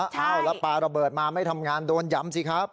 อ้าวแล้วปลาระเบิดมาไม่ทำงานโดนย้ำสิครับ